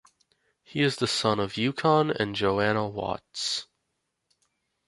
He is the son of Yukon and Joanna Watts.